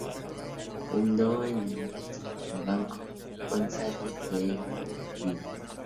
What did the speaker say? Fundó en Mendoza el Banco González, de efímera vida.